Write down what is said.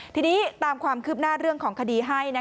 ทีนี้ตามความคืบหน้าเรื่องของคดีให้